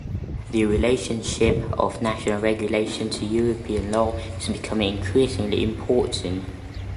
The relationship of national regulations to European law is becoming increasingly important.